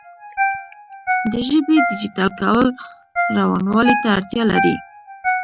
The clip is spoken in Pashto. د ژبې ډیجیټل کول روانوالي ته اړتیا لري.